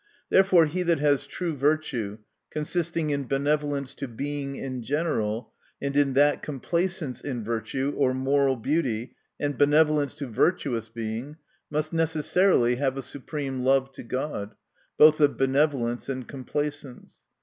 Therefore he that has true virtue, consisting ' in benevolence to Being in general, and in that complacence in virtue, or moral beauty, and benevolence to virtuous Being, must necessarily have a supreme love to God, both of benevolence and complacence.